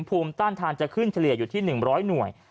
ภูมิต้านทานจะขึ้นเฉลี่ยอยู่ที่๑๐๐หน่วย